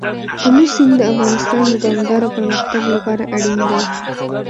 آمو سیند د افغانستان د دوامداره پرمختګ لپاره اړین دی.